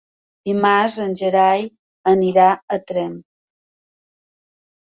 Dimarts en Gerai anirà a Tremp.